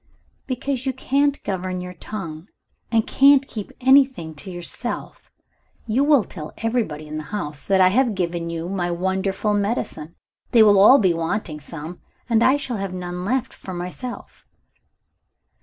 "Because you can't govern your tongue, and can't keep anything to yourself. You will tell everybody in the house that I have given you my wonderful medicine. They will all be wanting some and I shall have none left for myself."